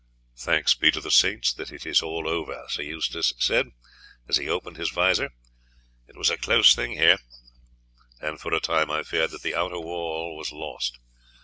"Thanks be to the saints that it is all over," Sir Eustace said, as he opened his vizor; "it was a close thing here, and for a time I feared that the outer wall was lost.